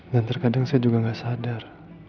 dan terkadang saya juga gak sadar